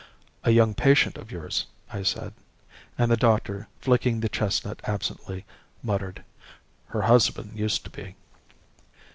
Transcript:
"A young patient of yours," I said; and the doctor, flicking the chestnut absently, muttered, "Her husband used to be."